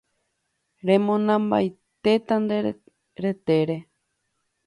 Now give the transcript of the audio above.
remonambaitéta nde retére